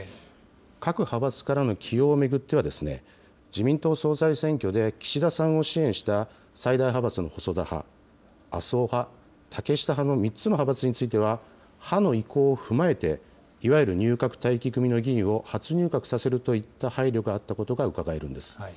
各派閥からの起用を巡っては、自民党総裁選挙で岸田さんを支援した最大派閥の細田派、麻生派、竹下派の３つの派閥については、派の意向を踏まえて、いわゆる入閣待機組の議員を初入閣させるといった配慮があったことがうかがえるんです。